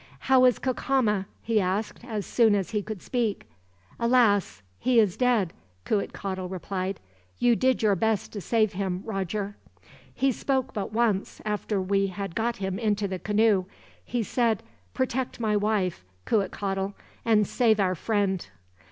"How is Cacama?" he asked, as soon as he could speak. "Alas! He is dead," Cuitcatl replied. "You did your best to save him, Roger. "He spoke but once, after we had got him into the canoe. He said 'Protect my wife, Cuitcatl; and save our friend.'"